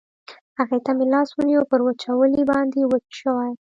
هغوی ته مې لاس ونیو، پر وچولې باندې وچه شوې.